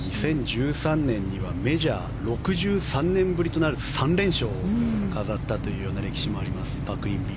２０１３年にはメジャー６３年ぶりとなる３連勝を飾ったという歴史もあります、パク・インビ。